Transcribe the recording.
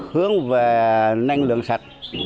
hướng về năng lượng sạch